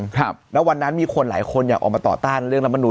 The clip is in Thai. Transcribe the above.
ครับแล้ววันนั้นมีคนหลายคนอยากออกมาต่อต้านเรื่องรัฐมนุน